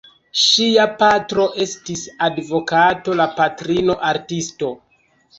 Ŝia patro estis advokato, la patrino artisto.